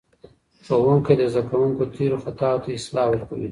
ښوونکی د زدهکوونکو تیرو خطاوو ته اصلاح ورکوي.